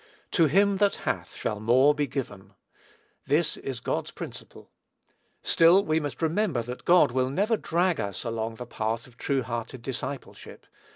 "To him that hath shall more be given." This is God's principle. Still we must remember that God will never drag us along the path of true hearted discipleship.